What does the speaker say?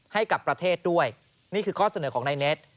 ให้กับประเทศด้วยนี่คือข้อเสนอของนายเน็ต